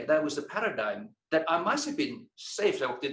itu adalah paradigma yang saya harus selamatkan